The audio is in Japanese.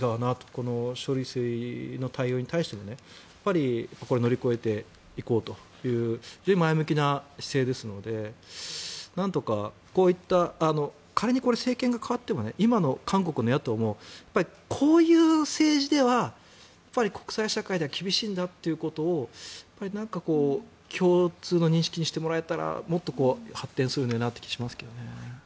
この処理水の対応に対してもこれを乗り越えていこうというで、前向きな姿勢ですので仮に政権が代わっても今の韓国の野党もこういう政治では国際社会では厳しいんだということを共通の認識にしてもらえたらもっと発展するのになという気がしますね。